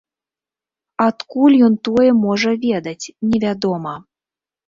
Адкуль ён тое можа ведаць, невядома.